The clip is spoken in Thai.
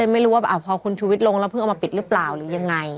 ไม่รู้ว่าพอคุณชูวิทย์ลงแล้วเพิ่งเอามาปิดหรือเปล่าหรือยังไง